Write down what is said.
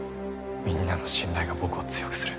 みんなの信頼が僕を強くする。